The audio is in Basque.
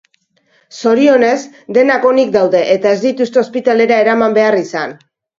Zorionez, denak onik daude eta ez dituzte ospitalera eraman behar izan.